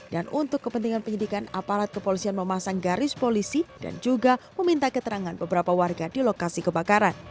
dan untuk kepentingan penyidikan aparat kepolisian memasang garis polisi dan juga meminta keterangan beberapa warga di lokasi kebakaran